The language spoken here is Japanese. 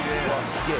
すげえ！